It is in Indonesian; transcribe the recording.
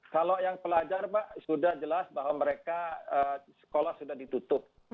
kalau yang pelajar pak sudah jelas bahwa mereka sekolah sudah ditutup